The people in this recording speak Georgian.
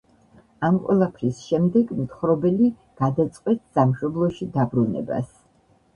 ამ ყველაფრის შემდეგ მთხრობელი გადაწყვეტს სამშობლოში დაბრუნებას.